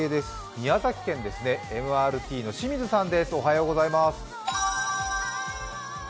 宮崎県です、ＭＲＴの清水さんです。